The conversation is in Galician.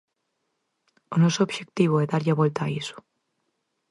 O noso obxectivo é darlle a volta a iso.